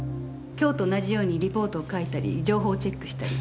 今日と同じようにリポートを書いたり情報をチェックしたり。